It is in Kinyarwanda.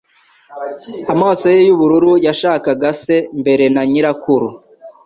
Amaso ye yubururu yashakaga se mbere na nyirakuru.